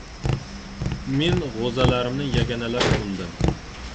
Men g‘o‘zalarimni yaganalar bo‘ldim.